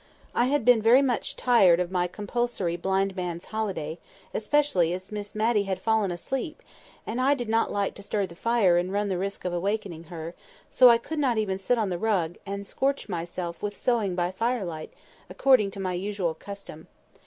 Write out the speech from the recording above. I had been very much tired of my compulsory "blind man's holiday," especially as Miss Matty had fallen asleep, and I did not like to stir the fire and run the risk of awakening her; so I could not even sit on the rug, and scorch myself with sewing by firelight, according to my usual custom.